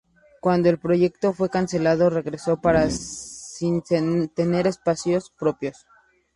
Cuando el proyecto fue cancelado, regresó pero sin tener espacios propios.